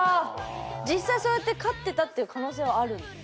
実際そうやって勝ってたっていう可能性はあるの？